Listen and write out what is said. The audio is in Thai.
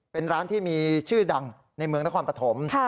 เป็นร้านที่มีชื่อดังในเมืองนครปฐม